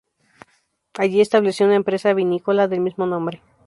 Allí estableció una empresa vinícola del mismo nombre.